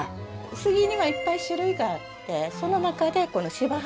杉にはいっぱい種類があってその中でこの芝原っていう杉が。